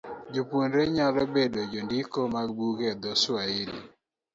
Jopuonjrego nyalo bedo jondiko mag buge e dho - Swahili.